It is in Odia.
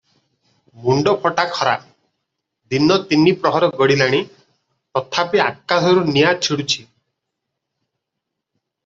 ମୁଣ୍ତଫଟା ଖରା; ଦିନ ତିନିପ୍ରହର ଗଡ଼ିଲାଣି; ତଥାପି ଆକାଶରୁ ନିଆଁ ଛିଡୁଛି ।